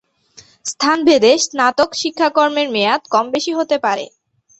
স্থানভেদে স্নাতক শিক্ষাক্রমের মেয়াদ কম-বেশি হতে পারে।